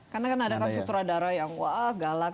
karena kan ada kan sutradara yang wah galak